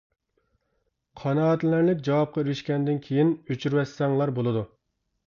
قانائەتلىنەرلىك جاۋابقا ئېرىشكەندىن كېيىن، ئۆچۈرۈۋەتسەڭلار بولىدۇ.